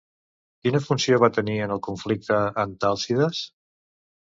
Quina funció va tenir en el conflicte Antàlcides?